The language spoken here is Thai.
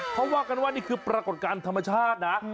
เขาว่ากันว่านี่คือปรากฏการณ์ธรรมชาตินะ